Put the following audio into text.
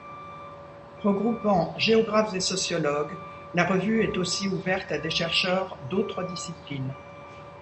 Regroupant géographes et sociologues, la revue est aussi ouverte à des chercheurs d’autres disciplines.